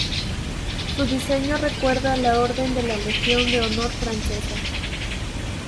Su diseño recuerda a la Orden de la Legión de Honor francesa.